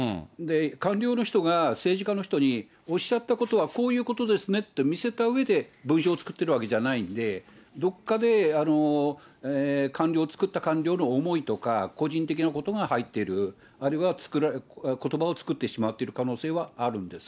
官僚の人が政治家の人に、おっしゃったことはこういうことですねって見せたうえで文書を作っているわけじゃないんで、どこかで官僚、作った官僚の思いとか、個人的なことが入っている、あるいはことばを作ってしまっている可能性はあるんです。